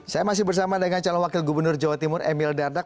saya masih bersama dengan calon wakil gubernur jawa timur emil dardak